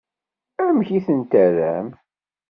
Amek i ten-terram?